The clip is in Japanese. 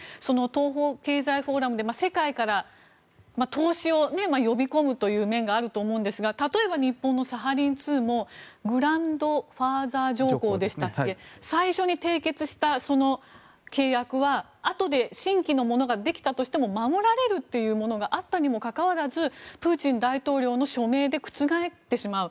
東方経済フォーラムで世界から投資を呼び込むという面があると思うんですが例えば日本のサハリン２も最初に締結した契約はあとで新規のものができたとしても守られるというものがあったにもかかわらずプーチン大統領の署名で覆ってしまう。